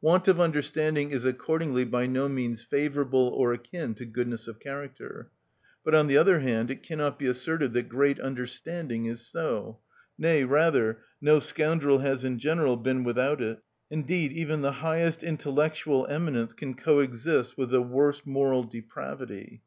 Want of understanding is accordingly by no means favourable or akin to goodness of character. But, on the other hand, it cannot be asserted that great understanding is so; nay, rather, no scoundrel has in general been without it. Indeed even the highest intellectual eminence can coexist with the worst moral depravity.